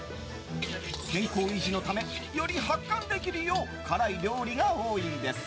健康維持のためより発汗できるよう辛い料理が多いんです。